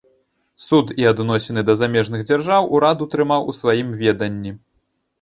Суд і адносіны да замежных дзяржаў урад утрымаў у сваім веданні.